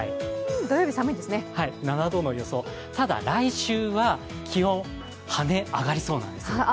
土曜日は７度の予想、ただ来週は気温がはね上がりそうなんです。